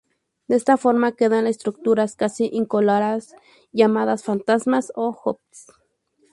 De esta forma quedan las estructuras casi incoloras llamadas "fantasmas" o "ghosts".